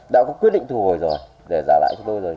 đã có quyết định thu hồi rồi để giả lại cho tôi rồi